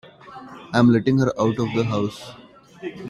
I'm letting her out of the house.